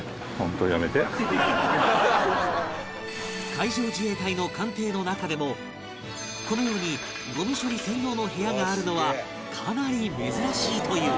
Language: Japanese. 海上自衛隊の艦艇の中でもこのようにゴミ処理専用の部屋があるのはかなり珍しいという